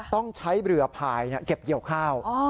ต้องใช้เรือพายเก็บเกี่ยวข้าว